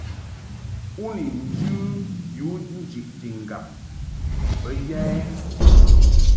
U ni njɨ yu njiʼti ŋgab bə ya ɛ ?